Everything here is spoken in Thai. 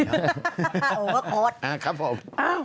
โอเวอร์โคตรครับผม